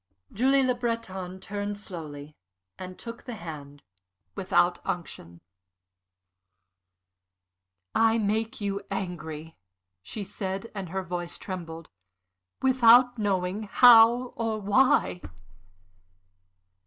Julie Le Breton turned slowly and took the hand without unction. "I make you angry," she said, and her voice trembled, "without knowing how or why."